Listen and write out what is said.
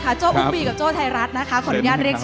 เพราะฉะนั้นเราทำกันเนี่ย